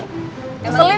gak mau selin